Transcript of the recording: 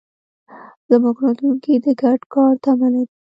زموږ راتلونکی د ګډ کار تمه لري.